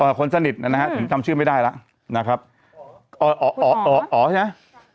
อ่าคนสนิทนะฮะอืมทำชื่อไม่ได้ล่ะนะครับอ๋ออ๋ออ๋ออ๋อใช่ไหม